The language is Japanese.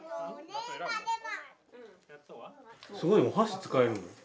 すごいお箸使えるの？